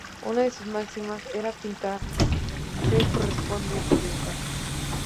Una de sus máximas era: pintar se corresponde con dibujar.